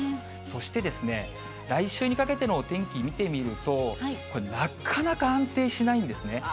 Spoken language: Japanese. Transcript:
そして、来週にかけてのお天気、見てみると、これ、なかなか安定しないんですね。